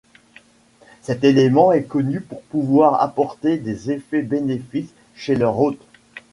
Cet élément est connu pour pouvoir apporter des effets bénéfiques chez leur hôte.